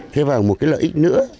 thế vào một cái lợi ích nữa